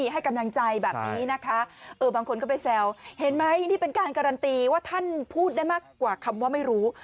ให้กำลังใจแบบนี้นะคะบางคนก็ไปแซวเห็นไหมนี่เป็นการการันตีว่าท่านพูดได้มากกว่าคำว่าไม่รู้